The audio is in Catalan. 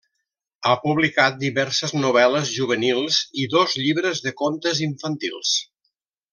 Ha publicat diverses novel·les juvenils i dos llibres de contes infantils.